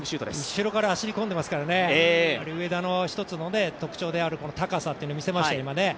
後ろから走り込んでいますからね、上田の１つの特徴である高さというのを見せましたね。